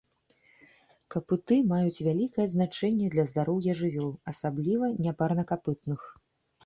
Капыты маюць вялікае значэнне для здароўя жывёл, асабліва няпарнакапытных.